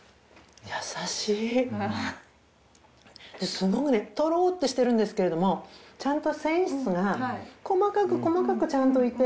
すごくねトロッとしてるんですけれどもちゃんと繊維質が細かく細かくちゃんといて。